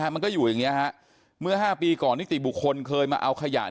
มันก็อยู่อย่างนี้ฮะเมื่อ๕ปีก่อนนิติบุคคลเคยมาเอาขยะ